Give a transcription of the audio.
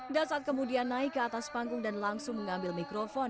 dasat kemudian naik ke atas panggung dan langsung mengambil mikrofon